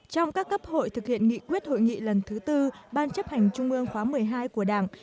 trong các cấp hội thực hiện nghị quyết hội nghị lần thứ tư ban chấp hành trung ương khóa một mươi hai của đảng